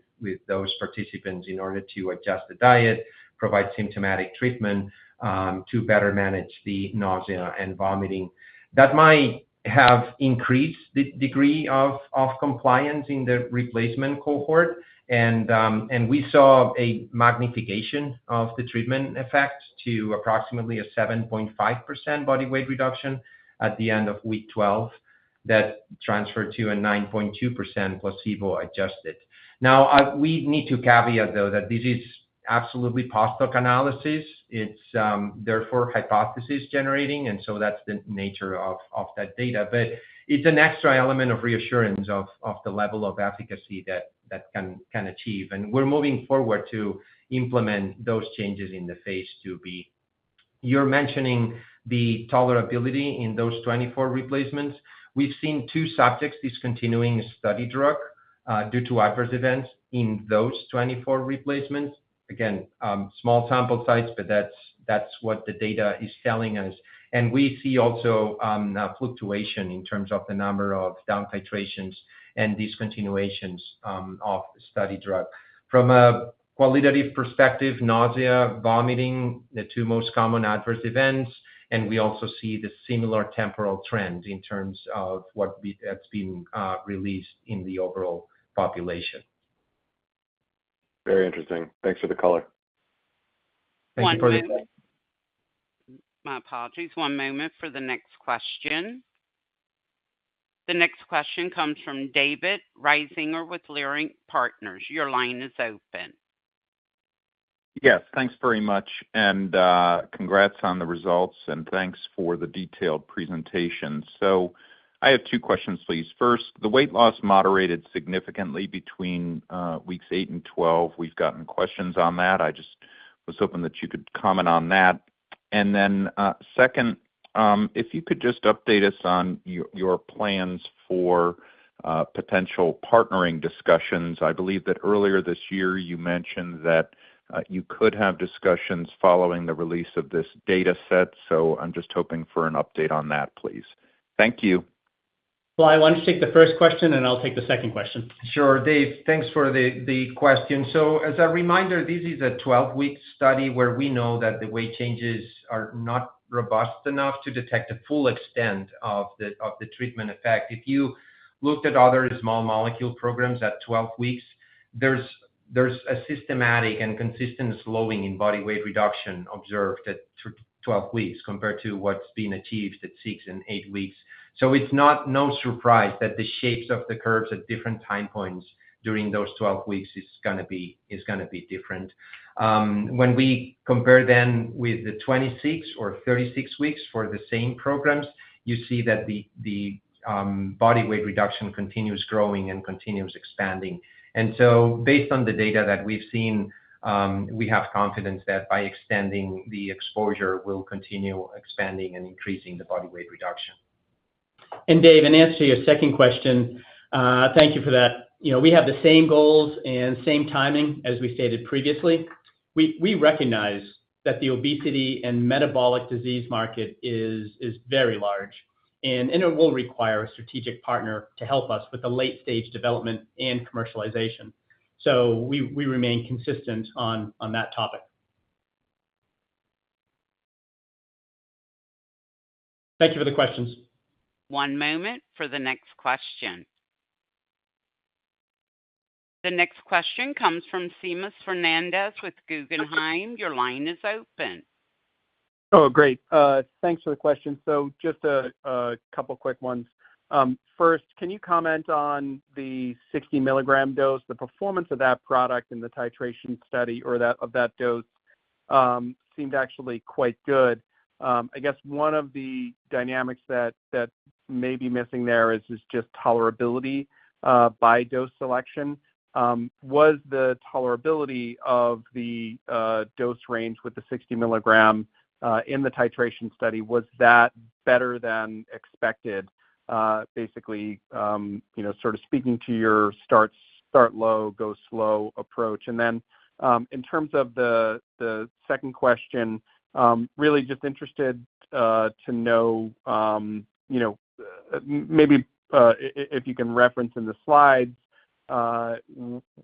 those participants in order to adjust the diet, provide symptomatic treatment, to better manage the nausea and vomiting. That might have increased the degree of compliance in the replacement cohort. We saw a magnification of the treatment effect to approximately a 7.5% body weight reduction at the end of week 12. That transferred to a 9.2% placebo adjusted. Now, we need to caveat, though, that this is absolutely post hoc analysis. It's, therefore, hypothesis generating, and so that's the nature of, of that data. But it's an extra element of reassurance of, of the level of efficacy that, that can, can achieve. And we're moving forward to implement those changes in the phase II-B. You're mentioning the tolerability in those 24 replacements. We've seen two subjects discontinuing study drug, due to adverse events in those 24 replacements. Again, small sample size, but that's, that's what the data is telling us. We see also a fluctuation in terms of the number of down titrations and discontinuations of the study drug. From a qualitative perspective, nausea, vomiting, the two most common adverse events, and we also see the similar temporal trend in terms of that's been released in the overall population. Very interesting. Thanks for the color. Thank you for the question. One moment. My apologies. One moment for the next question. The next question comes from David Risinger with Leerink Partners. Your line is open. Yes, thanks very much, and congrats on the results, and thanks for the detailed presentation. So I have two questions, please. First, the weight loss moderated significantly between weeks 8 and 12. We've gotten questions on that. I just was hoping that you could comment on that. And then, second, if you could just update us on your plans for potential partnering discussions. I believe that earlier this year, you mentioned that you could have discussions following the release of this data set, so I'm just hoping for an update on that, please. Thank you. Blai, why don't you take the first question, and I'll take the second question. Sure. Dave, thanks for the question. So as a reminder, this is a 12-week study where we know that the weight changes are not robust enough to detect the full extent of the treatment effect. If you looked at other small molecule programs at 12 weeks, there's a systematic and consistent slowing in body weight reduction observed at 12 weeks compared to what's been achieved at 6 and 8 weeks. So it's not no surprise that the shapes of the curves at different time points during those 12 weeks is gonna be different. When we compare then with the 26 or 36 weeks for the same programs, you see that the body weight reduction continues growing and continues expanding. Based on the data that we've seen, we have confidence that by extending the exposure, we'll continue expanding and increasing the body weight reduction. And Dave, in answer to your second question, thank you for that. You know, we have the same goals and same timing as we stated previously. We recognize that the obesity and metabolic disease market is very large, and it will require a strategic partner to help us with the late-stage development and commercialization. So we remain consistent on that topic. Thank you for the questions. One moment for the next question. The next question comes from Seamus Fernandez with Guggenheim. Your line is open. Oh, great. Thanks for the question. So just a couple quick ones. First, can you comment on the 60 mg dose, the performance of that product in the titration study or that of that dose seemed actually quite good. I guess one of the dynamics that may be missing there is just tolerability by dose selection. Was the tolerability of the dose range with the 60 mg in the titration study better than expected? Basically, you know, sort of speaking to your start low, go slow approach. Then, in terms of the second question, really just interested to know, you know, maybe if you can reference in the slides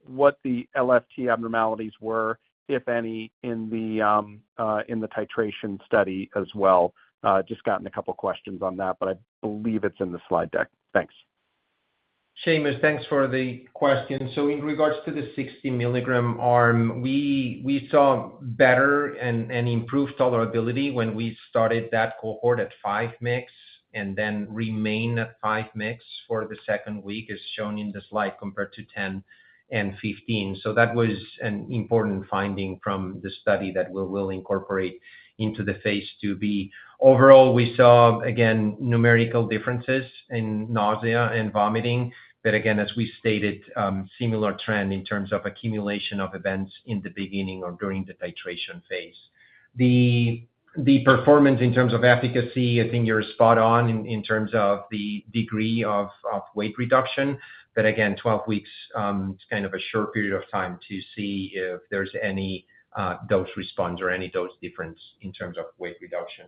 what the LFT abnormalities were, if any, in the titration study as well. Just gotten a couple questions on that, but I believe it's in the slide deck. Thanks. Seamus, thanks for the question. So in regards to the 60 mg arm, we saw better and improved tolerability when we started that cohort at 5 mgs and then remain at 5 mgs for the second week, as shown in the slide, compared to 10 mg and 15 mg. So that was an important finding from the study that we will incorporate into the phase II-B. Overall, we saw, again, numerical differences in nausea and vomiting, but again, as we stated, similar trend in terms of accumulation of events in the beginning or during the titration phase. The performance in terms of efficacy, I think you're spot on in terms of the degree of weight reduction. But again, 12 weeks is kind of a short period of time to see if there's any dose response or any dose difference in terms of weight reduction.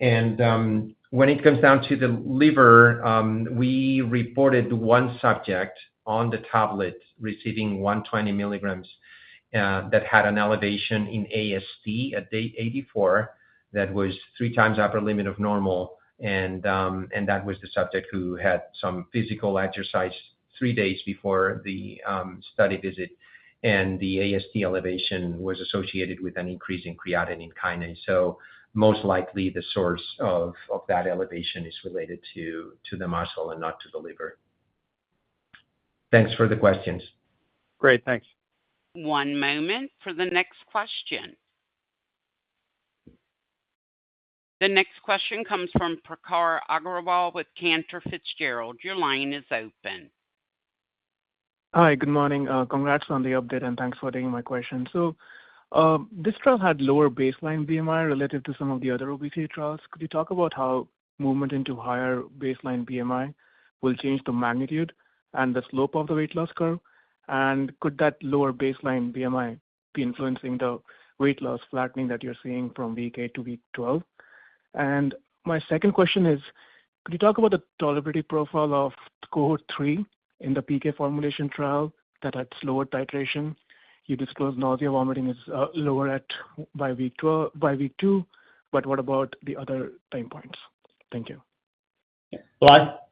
When it comes down to the liver, we reported one subject on the tablet receiving 120 mg that had an elevation in AST at day 84. That was 3 times upper limit of normal, and that was the subject who had some physical exercise three days before the study visit, and the AST elevation was associated with an increase in creatine kinase. So most likely the source of that elevation is related to the muscle and not to the liver. Thanks for the questions. Great. Thanks. One moment for the next question. The next question comes from Prakhar Agrawal with Cantor Fitzgerald. Your line is open. Hi, good morning. Congrats on the update, and thanks for taking my question. So, this trial had lower baseline BMI related to some of the other obesity trials. Could you talk about how movement into higher baseline BMI will change the magnitude and the slope of the weight loss curve? And could that lower baseline BMI be influencing the weight loss flattening that you're seeing from week 8 to week 12? And my second question is: could you talk about the tolerability profile of cohort 3 in the PK formulation trial that had slower titration? You disclosed nausea, vomiting is lower by week 12, by week 2, but what about the other time points? Thank you.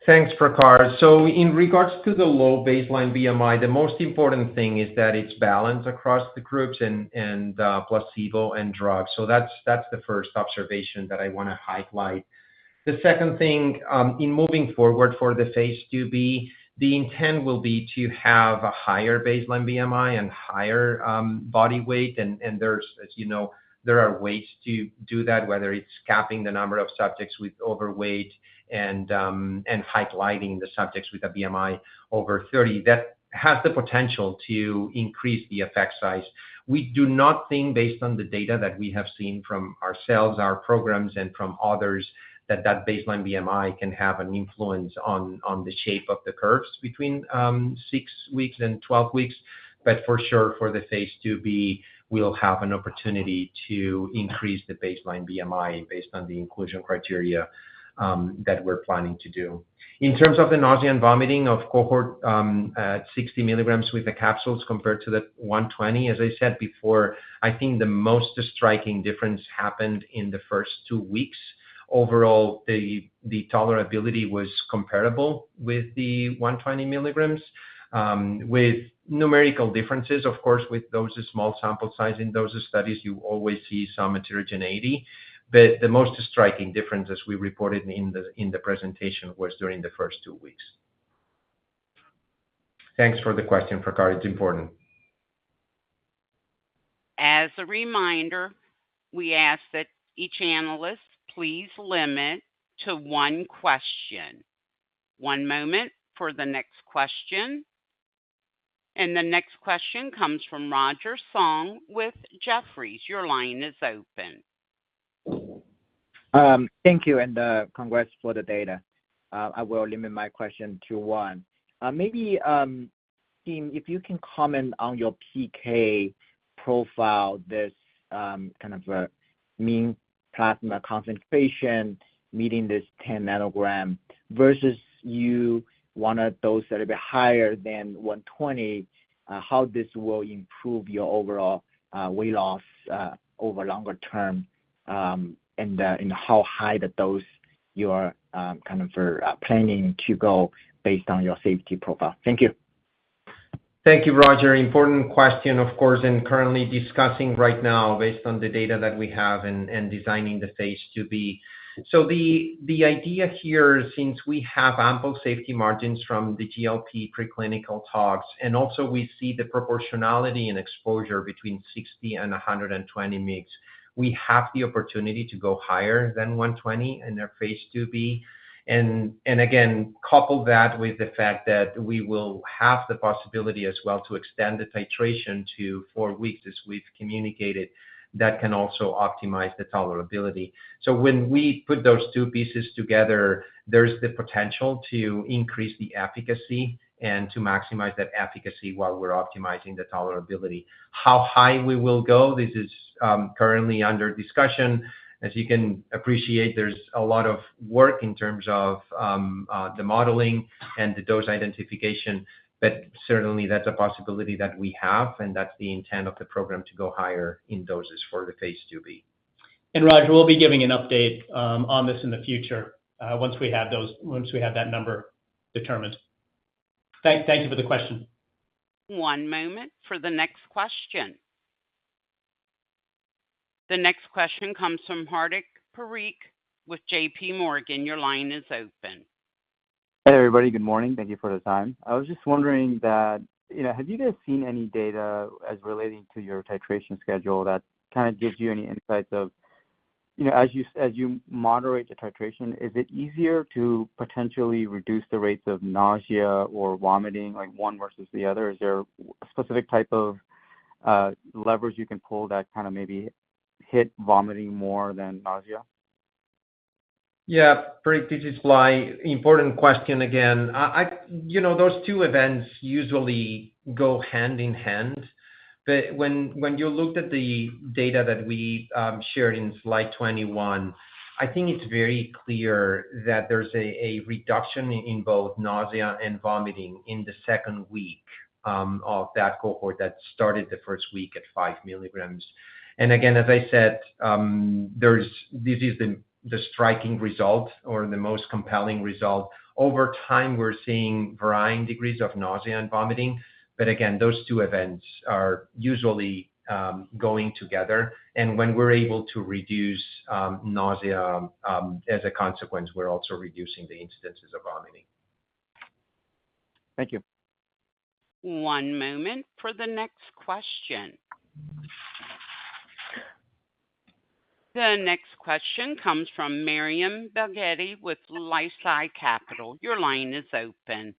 Thanks, Prakhar. So in regards to the low baseline BMI, the most important thing is that it's balanced across the groups and placebo and drugs. So that's the first observation that I wanna highlight. The second thing, in moving forward for the phase II-B, the intent will be to have a higher baseline BMI and higher body weight. And there's, as you know, there are ways to do that, whether it's capping the number of subjects with overweight and highlighting the subjects with a BMI over 30. That has the potential to increase the effect size. We do not think, based on the data that we have seen from ourselves, our programs, and from others, that that baseline BMI can have an influence on the shape of the curves between 6 weeks and 12 weeks. But for sure, for the phase II-B, we'll have an opportunity to increase the baseline BMI based on the inclusion criteria that we're planning to do. In terms of the nausea and vomiting of cohort at 60 mg with the capsules compared to the 120 mg, as I said before, I think the most striking difference happened in the first two weeks. Overall, the tolerability was comparable with the 120 mg with numerical differences. Of course, with those small sample size in those studies, you always see some heterogeneity, but the most striking difference, as we reported in the presentation, was during the first two weeks. Thanks for the question, Prakhar. It's important. As a reminder, we ask that each analyst please limit to one question. One moment for the next question, and the next question comes from Roger Song with Jefferies. Your line is open. Thank you, and congrats for the data. I will limit my question to one. Maybe, team, if you can comment on your PK profile, this kind of mean plasma concentration meeting this 10 ng versus you wanted those that are a bit higher than 120 mg, how this will improve your overall weight loss over longer term, and and how high that those you are kind of planning to go based on your safety profile. Thank you. Thank you, Roger. Important question, of course, and currently discussing right now based on the data that we have and designing the phase II-B. So the idea here, since we have ample safety margins from the GLP preclinical tox, and also we see the proportionality and exposure between 60 mg and 120 mg, we have the opportunity to go higher than 120 mg in our phase II-B. And again, couple that with the fact that we will have the possibility as well to extend the titration to 4 weeks, as we've communicated, that can also optimize the tolerability. So when we put those two pieces together, there's the potential to increase the efficacy and to maximize that efficacy while we're optimizing the tolerability. How high we will go, this is currently under discussion. As you can appreciate, there's a lot of work in terms of the modeling and the dose identification, but certainly, that's a possibility that we have, and that's the intent of the program, to go higher in doses for the phase II-B Roger, we'll be giving an update on this in the future, once we have that number determined. Thank you for the question. One moment for the next question. The next question comes from Hardik Parikh with J.P. Morgan. Your line is open. Hi, everybody. Good morning. Thank you for the time. I was just wondering that, you know, have you guys seen any data as relating to your titration schedule that kind of gives you any insights of, you know, as you, as you moderate the titration, is it easier to potentially reduce the rates of nausea or vomiting, like one versus the other? Is there a specific type of leverage you can pull that kind of maybe hit vomiting more than nausea? Yeah. Parikh, this is Blai. Important question again. You know, those two events usually go hand in hand. But when you looked at the data that we shared in slide 21, I think it's very clear that there's a reduction in both nausea and vomiting in the second week of that cohort that started the first week at 5 mg. And again, as I said, this is the striking result or the most compelling result. Over time, we're seeing varying degrees of nausea and vomiting. But again, those two events are usually going together. And when we're able to reduce nausea, as a consequence, we're also reducing the incidences of vomiting. Thank you. One moment for the next question. The next question comes from Myriam Belghiti with LifeSci Capital. Your line is open.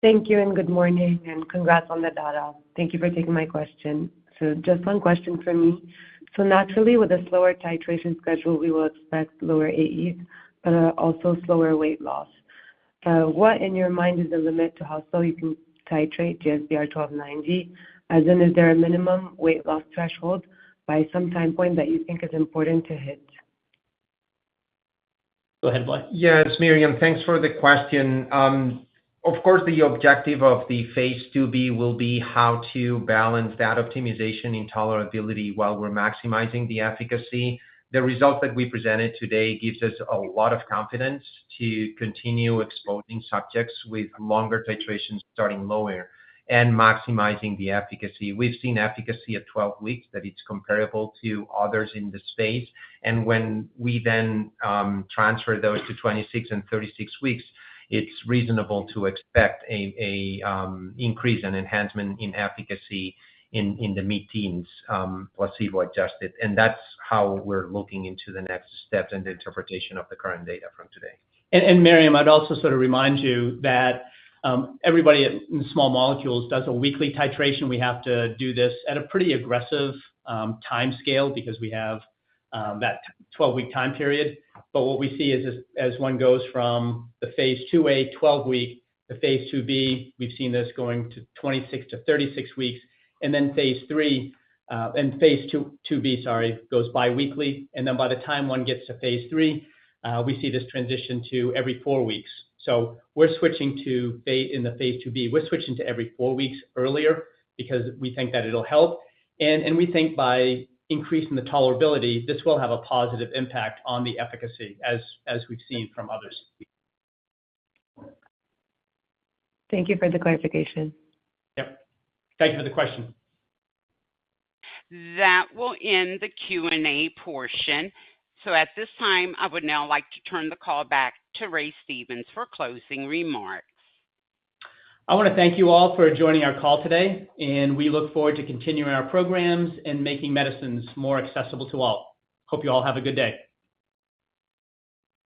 Thank you, and good morning, and congrats on the data. Thank you for taking my question. Just one question from me. Naturally, with a slower titration schedule, we will expect lower AE, but, also slower weight loss. What in your mind is the limit to how slow you can titrate GSBR-1290? As in, is there a minimum weight loss threshold by some time point that you think is important to hit? Go ahead, Blai. Yes, Myriam, thanks for the question. Of course, the objective of the phase II-B will be how to balance that optimization in tolerability while we're maximizing the efficacy. The results that we presented today gives us a lot of confidence to continue exposing subjects with longer titrations, starting lower and maximizing the efficacy. We've seen efficacy at 12 weeks, that it's comparable to others in the space. And when we then transfer those to 26 and 36 weeks, it's reasonable to expect an increase and enhancement in efficacy in the mid-teens, placebo adjusted. And that's how we're looking into the next steps and the interpretation of the current data from today. And, Myriam, I'd also sort of remind you that, everybody in small molecules does a weekly titration. We have to do this at a pretty aggressive timescale because we have that 12-week time period. But what we see is as one goes from the phase II-A, 12-week to phase II-B, we've seen this going to 26-36 weeks, and then phase III, and phase II-B, sorry, goes biweekly. And then by the time one gets to phase III, we see this transition to every 4 weeks. So we're switching to phase, in the phase II-B, we're switching to every 4 weeks earlier because we think that it'll help. And we think by increasing the tolerability, this will have a positive impact on the efficacy, as we've seen from others. Thank you for the clarification. Yep. Thank you for the question. That will end the Q&A portion. At this time, I would now like to turn the call back to Ray Stevens for closing remarks. I want to thank you all for joining our call today, and we look forward to continuing our programs and making medicines more accessible to all. Hope you all have a good day.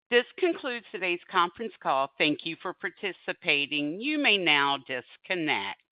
This concludes today's conference call. Thank you for participating. You may now disconnect.